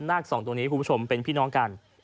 สองตัวนี้คุณผู้ชมเป็นพี่น้องกัน